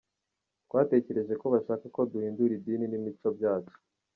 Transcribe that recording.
Twatekereje ko bashaka ko duhindura idini n’imico byacu.